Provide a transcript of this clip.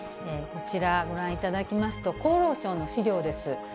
こちら、ご覧いただきますと、厚労省の資料です。